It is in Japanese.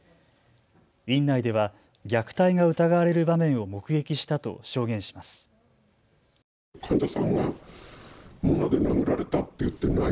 院内では虐待が疑われる場面を目撃したと証言します。